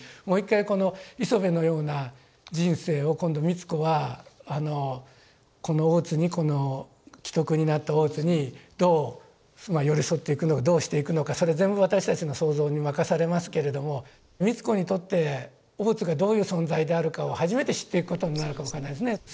もう一回この磯辺のような人生を今度美津子はこの大津にこの危篤になった大津にどう寄り添っていくのかどうしていくのかそれは全部私たちの想像に任されますけれども美津子にとって大津がどういう存在であるかを初めて知っていくことになるかも分かんないですね。